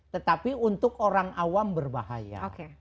tetapi untuk orang awam berbahaya